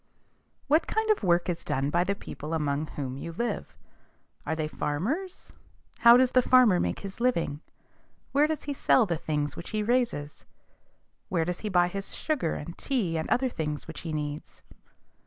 What kind of work is done by the people among whom you live? Are they farmers? How does the farmer make his living? Where does he sell the things which he raises? Where does he buy his sugar and tea and other things which he needs?